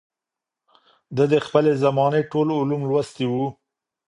ده د خپلې زمانې ټول علوم لوستي وو